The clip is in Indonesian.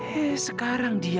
kau ini bertenaga apa ya